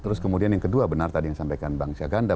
terus kemudian yang kedua benar tadi yang disampaikan bang syaganda